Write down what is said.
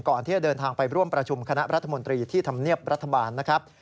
ก่อนที่จะเดินทางไปร่วมประชุมคณะรัฐมนตรีที่ธรรมเนียบรัฐบาลนะครับ